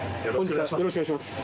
よろしくお願いします。